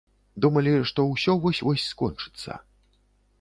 Думалі, што ўсё вось-вось скончыцца.